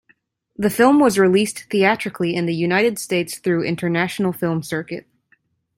The film was released theatrically in the United States through International Film Circuit.